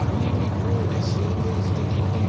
こうＳＮＳ的っていうか。